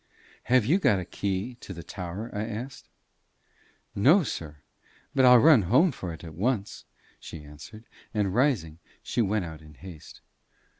"Have you got the key of the tower?" I asked. "No, sir. But I'll run home for it at once," she answered. And rising, she went out in haste.